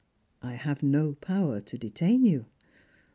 " I have no power to detain you."